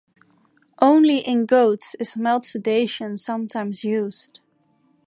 Only in goats is mild sedation sometimes used.